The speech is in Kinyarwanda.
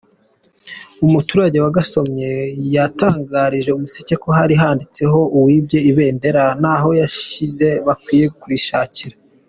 Umuturage wagasomye yatangarije Umuseke ko hari handitseho uwibye ibendera n’aho yarishyize bakwiye kurishakira.